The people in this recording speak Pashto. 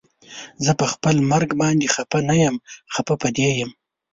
زه پخپل مرګ باندې خفه نه یم خفه په دې یم